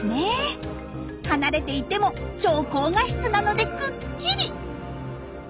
離れていても超高画質なのでくっきり！